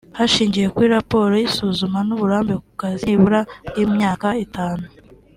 hashingiwe kuri raporo y’isuzuma n’uburambe ku kazi nibura bw’imyaka itanu